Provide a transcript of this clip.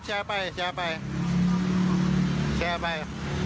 แชร์ไปแชร์ไปแชร์ไป